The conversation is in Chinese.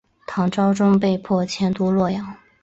唐昭宗被迫迁都洛阳。